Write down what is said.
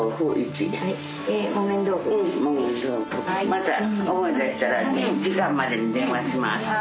また思い出したら時間までに電話します。